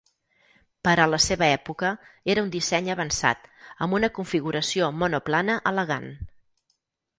Per a la seva època, era un disseny avançat, amb una configuració monoplana elegant.